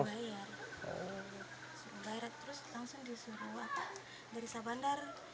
suruh bayar terus langsung disuruh dari syah bandar